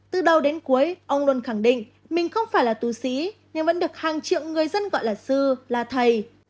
từ đầu đến cuối ông luôn khẳng định mình không phải là tù xí nhưng vẫn được hàng triệu người dân gọi là sư là thầy